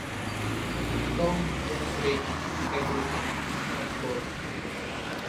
Tom didn't break everything, thank God.